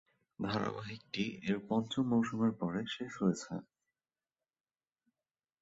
ধারাবাহিকটি এর পঞ্চম মৌসুমের পরে শেষ হয়েছে।